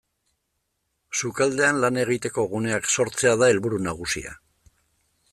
Sukaldean lan egiteko guneak sortzea da helburu nagusia.